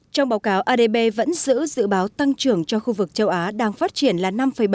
trong báo cáo adb vẫn giữ dự báo tăng trưởng cho khu vực châu á đang phát triển là năm bảy